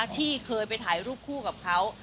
ที่เคยไปถ่ายรูปคู่กับเขา